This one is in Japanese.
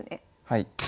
はい。